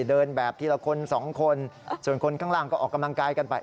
เดินแบบทีละคนสองคนส่วนคนข้างล่างก็ออกกำลังกายกันไป